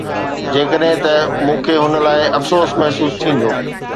جيڪڏهن نه، مون کي هن لاء افسوس محسوس ٿيندو